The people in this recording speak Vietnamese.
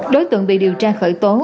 đối tượng bị điều tra khởi tố